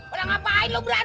udah ngapain lo berantem